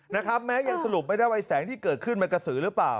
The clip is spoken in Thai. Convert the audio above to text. นะครับแม้ยังสรุปไม่ได้ว่าแสงที่เกิดขึ้นมันกระสือหรือเปล่า